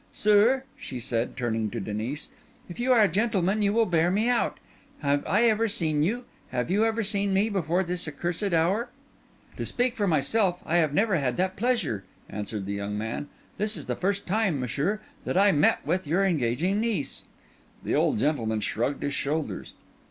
Sir," she said, turning to Denis, "if you are a gentleman, you will bear me out. Have I ever seen you—have you ever seen me—before this accursed hour?" "To speak for myself, I have never had that pleasure," answered the young man. "This is the first time, messire, that I have met with your engaging niece." The old gentleman shrugged his shoulders.